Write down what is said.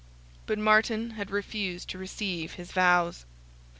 But Martin had refused to receive his vows.